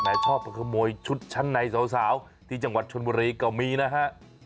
ชอบไปขโมยชุดชั้นในสาวที่จังหวัดชนบุรีก็มีนะฮะ